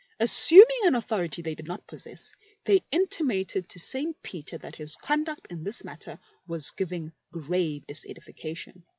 Assuming an authority which they did not possess, they intimated to St. Peter that his conduct in this matter was giv ing grave disedification.